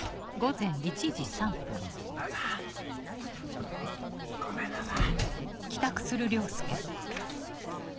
ママごめんなさい。